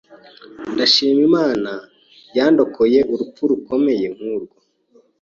ndashima Imana yandokoye urupfu rukomeye nkurwo